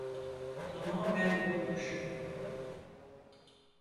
Tamamen unutmuşum.